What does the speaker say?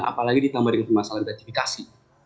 apalagi ditambah dengan masalah identifikasi